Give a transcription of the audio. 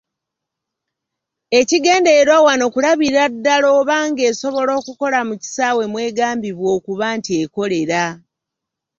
Ekigendererwa wano kulabira ddala oba ng'esobola okukola mu kisaawe mw’egambibwa okuba nti ekolera.